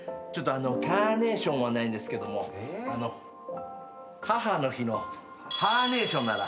カーネーションはないんですけどもあの歯歯の日の歯ーネーションなら。